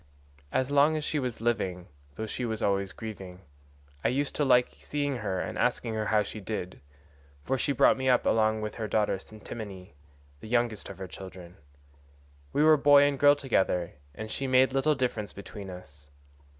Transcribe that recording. As long as she was still living, though she was always grieving, I used to like seeing her and asking her how she did, for she brought me up along with her daughter Ctimene, the youngest of her children; we were boy and girl together, and she made little difference between us.